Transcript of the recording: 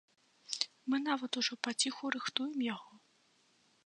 Мы нават ужо паціху рыхтуем яго.